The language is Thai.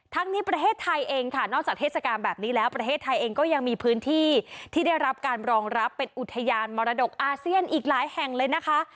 นี้ประเทศไทยเองค่ะนอกจากเทศกาลแบบนี้แล้วประเทศไทยเองก็ยังมีพื้นที่ที่ได้รับการรองรับเป็นอุทยานมรดกอาเซียนอีกหลายแห่งเลยนะคะ